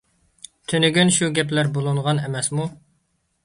تۈنۈگۈن شۇ گەپلەر بولۇنغان ئەمەسمۇ.